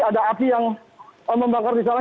ada api yang membakar di sana